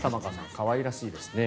可愛らしいですね。